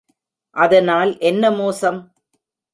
அதனால் என்ன மோசம்?